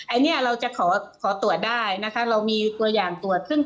อันนี้เราจะขอขอตรวจได้นะคะเรามีตัวอย่างตรวจขึ้น